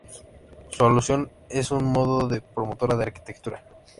Su alusión es a modo de promotora de arquitectura.